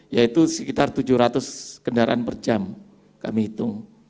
yaitu sekitar tujuh ratus kendaraan per jam kami hitung